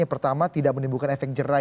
yang pertama tidak menimbulkan efek jerai